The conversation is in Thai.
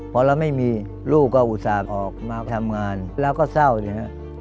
พอเราไม่มีลูกก็อุตส่าห์ออกมาทำงานเราก็เศร้านะครับ